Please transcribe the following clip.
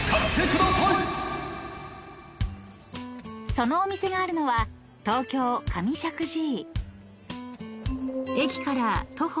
［そのお店があるのは東京上石神井］